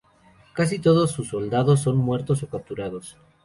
Casi todos sus soldados son muertos o capturados.